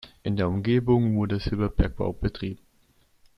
In der Umgebung wurde Silberbergbau betrieben.